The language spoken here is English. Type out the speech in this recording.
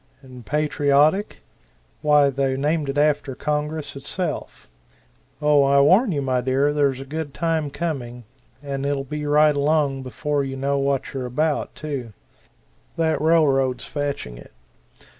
And patriotic? why they named it after Congress itself. Oh, I warn you, my dear, there's a good time coming, and it'll be right along before you know what you're about, too. That railroad's fetching it.